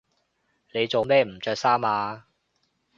你做咩唔着衫呀？